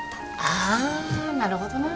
あなるほどな。